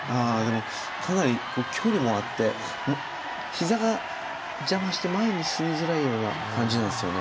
かなり距離もあってひざが邪魔して前に進みづらいような感じなんですよね。